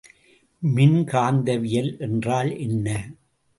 மின்காந்தவியல் என்றால் என்ன?